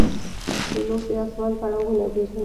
پیلوټ د آسمان پړاوونه پېژني.